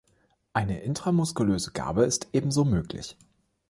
Eine intramuskulöse Gabe ist ebenso möglich.